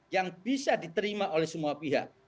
yang bisa diterima oleh semua pihak